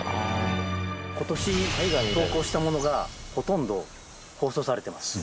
今年投稿したものがほとんど放送されてます。